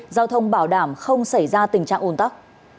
giao thông bảo đảm không xảy ra tình trạng ồn tắc